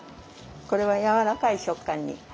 これはやわらかい食感に。